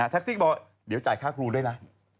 แท็กซี่ก็บอกเดี๋ยวจ่ายค่าครูด้วยนะ